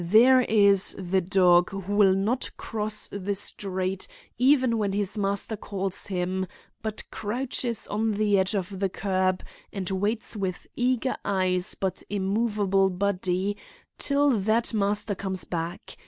There is the dog who will not cross the street even when his master calls him, but crouches on the edge of the curb and waits with eager eyes but immovable body, till that master comes back.